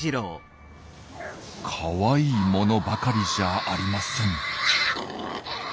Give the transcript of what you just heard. かわいいものばかりじゃありません。